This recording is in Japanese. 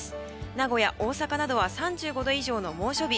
名古屋、大阪などは３５度以上の猛暑日。